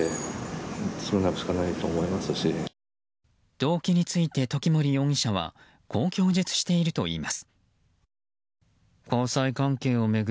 動機について時森容疑者はこう供述しているといいます。